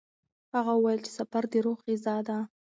هغه وویل چې سفر د روح غذا ده.